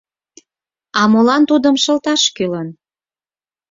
А молан тудым шылташ кӱлын?